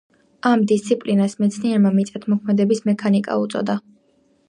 ამ დისციპლინას მეცნიერმა მიწათმოქმედების მექანიკა უწოდა.